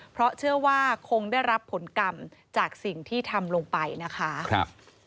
เพราะเชื่อว่าคงได้รับผลกรรมจากสิ่งที่ทำลงไปนะคะ